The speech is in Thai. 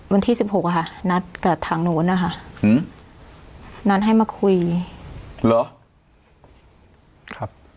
วันที่สิบหกอะค่ะนัดกับทางนู้นนะคะอืมนัดให้มาคุยเหรอครับ